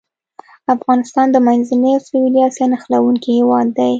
افغانستان د منځنۍ او سویلي اسیا نښلوونکی هېواد دی.